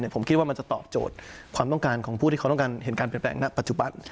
ผมคิดว่ามันจะตอบโจทย์ความต้องการของผู้ที่เขาต้องการเห็นการเปลี่ยนแปลงณปัจจุบัน